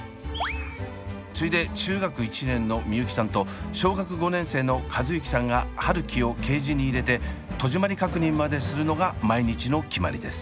次いで中学１年の美夕輝さんと小学５年生の和友輝さんが春輝をケージに入れて戸締まり確認までするのが毎日の決まりです。